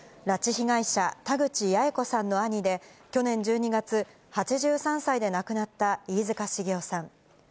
拉致被害者、田口八重子さんの兄で、去年１２月、８３歳で亡くなった飯塚繁雄さん。